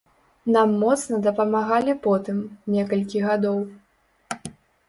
Нам моцна дапамагалі потым, некалькі гадоў.